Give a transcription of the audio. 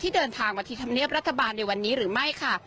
เดินทางมาที่ธรรมเนียบรัฐบาลในวันนี้หรือไม่ค่ะ